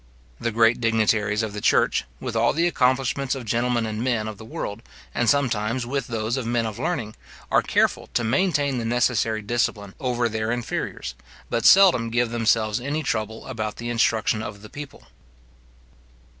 The great dignitaries of the church, with all the accomplishments of gentlemen and men of the world, and sometimes with those of men of learning, are careful to maintain the necessary discipline over their inferiors, but seldom give themselves any trouble about the instruction of the people.